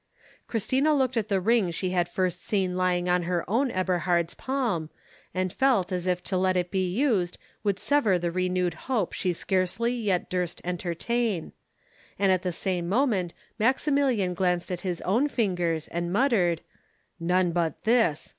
Christina looked at the ring she had first seen lying on her own Eberhard's palm, and felt as if to let it be used would sever the renewed hope she scarcely yet durst entertain; and at the same moment Maximilian glanced at his own fingers, and muttered, "None but this!